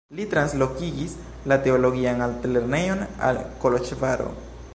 Li translokigis la teologian altlernejon al Koloĵvaro.